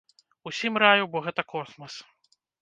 Усім раю, бо гэта космас!